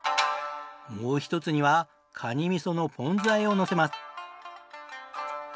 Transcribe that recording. もう１つにはカニみそのポン酢和えをのせます。